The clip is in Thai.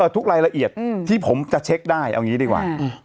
ทุกรายละเอียดที่ผมจะเช็คได้เอาอย่างนี้ดีกว่า